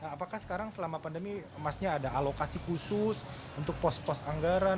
apakah sekarang selama pandemi emasnya ada alokasi khusus untuk pos pos anggaran